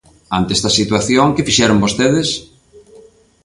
Ante esta situación, ¿que fixeron vostedes?